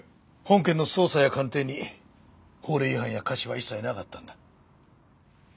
本件の捜査や鑑定に法令違反や瑕疵は一切なかったんだ。